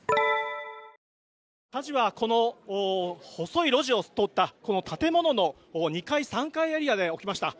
火事はこの細い路地を通ったこの建物の２階、３階エリアで起きました。